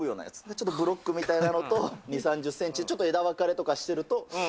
ちょっとブロックみたいなのものと、２、３０センチ、ちょっと枝分かれとかしてると。